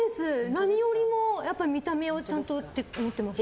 何よりも見た目をちゃんとって思ってました。